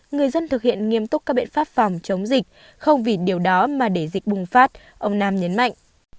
người dân thực hiện nghiêm túc các biện pháp phòng chống dịch không vì điều đó mà để dịch bùng phát ông nam nhấn mạnh